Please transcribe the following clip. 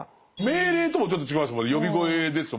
命令ともちょっと違います